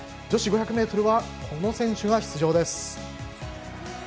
女子５００ｍにはこの選手が出場。